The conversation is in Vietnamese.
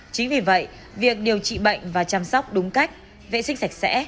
chính vì vậy việc điều trị bệnh và chăm sóc đúng cách vệ sinh sạch sẽ